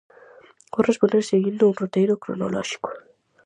Vou responder seguindo un roteiro cronolóxico.